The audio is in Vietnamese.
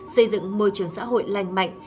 xây dựng môi trường xã hội lành mạnh